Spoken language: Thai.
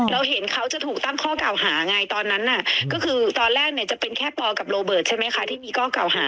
เห็นเขาจะถูกตั้งข้อเก่าหาไงตอนนั้นน่ะก็คือตอนแรกเนี่ยจะเป็นแค่ปอกับโรเบิร์ตใช่ไหมคะที่มีข้อเก่าหา